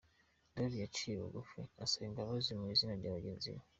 Dre yaciye bugufi asaba imbabazi mu izina rya bagenzi be.